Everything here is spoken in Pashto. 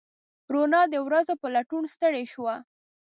روڼا د ورځو په لټون ستړې شوه